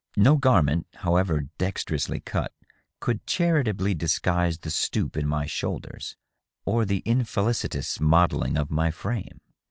No garment, however dex terously cut, could charitably disguise the stoop in my shoulders or the infelicitous modelling of my frame.